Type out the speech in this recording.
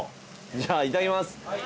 じゃあいただきます。